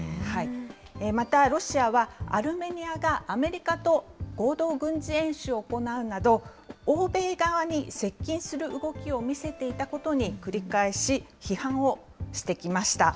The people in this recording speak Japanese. また、ロシアはアルメニアがアメリカと合同軍事演習を行うなど、欧米側に接近する動きを見せていたことに繰り返し批判をしてきました。